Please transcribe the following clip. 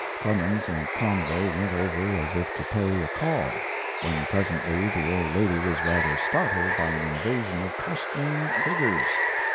Clemens and Conway went over as if to pay a call, when presently the old lady was rather startled by an invasion of costumed. figures.